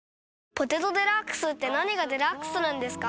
「ポテトデラックス」って何がデラックスなんですか？